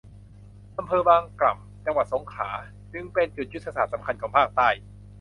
อำเภอบางกล่ำ จังหวัดสงขลาจึงเป็นจุดยุทธศาสตร์สำคัญของภาคใต้